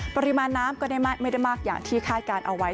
ปริมาณน้ำก็ได้ไม่ได้มากอย่างที่คาดการณ์เอาไว้